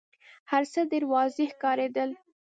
هرڅه ډېر واضح ښکارېدل.